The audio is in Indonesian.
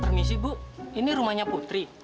permisi bu ini rumahnya putri